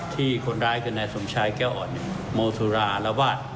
ที่คนร้ายคือนายสมชายแก้วอ่อนโมสุรารวาส